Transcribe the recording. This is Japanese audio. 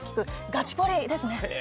「ガチポリ！」ですね。